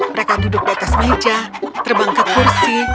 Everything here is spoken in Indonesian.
mereka duduk di atas meja terbang ke kursi